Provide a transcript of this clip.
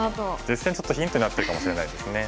実戦ちょっとヒントになってるかもしれないですね。